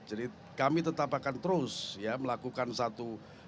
jadi kami tetap akan terus melakukan satu